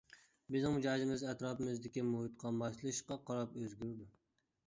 بىزنىڭ مىجەزىمىز ئەتراپىمىزدىكى مۇھىتقا ماسلىشىشقا قاراپ ئۆزگىرىدۇ.